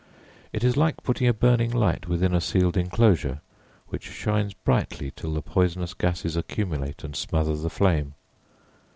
It is like putting a burning light within a sealed enclosure, which shines brightly till the poisonous gases accumulate and smother the flame.